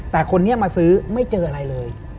แต่คนนี้มาซื้อไม่เจออะไรเลย